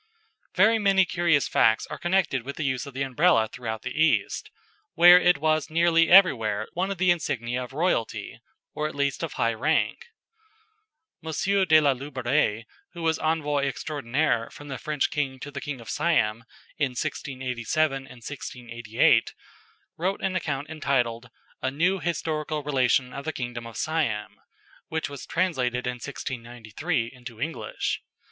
Very many curious facts are connected with the use of the Umbrella throughout the East, where it was nearly everywhere one of the insignia of royalty, or at least of high rank. M. de la Loubère, who was Envoy Extraordinary from the French King to the King of Siam in 1687 and 1688, wrote an account entitled a "New Historical Relation of the Kingdom of Siam," which was translated in 1693 into English.